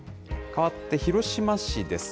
かわって広島市です。